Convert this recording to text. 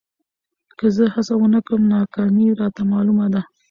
که زه هڅه ونه کړم، ناکامي راته معلومه ده.